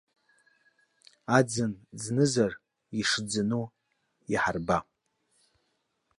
Аӡын ӡнызар ишӡыну иҳарба.